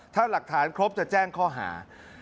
ถ้าหลักฐานครบจะแจ้งข้อหา